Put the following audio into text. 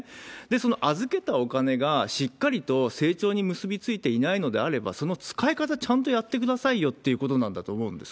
その預けたお金がしっかりと成長に結びついていないのであれば、その使い方、ちゃんとやってくださいよっていうことなんだと思うんです。